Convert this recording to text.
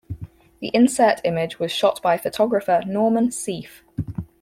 The insert image was shot by photographer Norman Seeff.